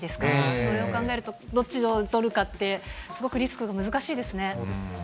それを考えると、どっちを取るかって、すごくリスクが、難しいでそうですよね。